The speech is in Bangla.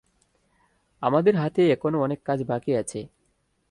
আমাদের হাতে এখনও অনেক কাজ বাকি আছে!